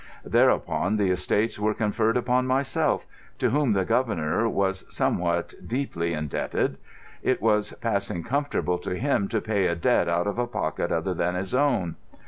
Thereupon the estates were conferred upon myself, to whom the Governor was somewhat deeply indebted. It was passing comfortable to him to pay a debt out of a pocket other than his own.